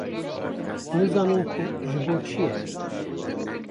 nizanin ku ji bo çî ye?